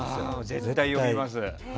絶対読みます。